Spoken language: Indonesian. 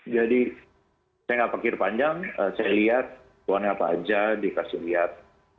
jadi saya gak pikir panjang saya lihat warnanya apa aja dikasih lihat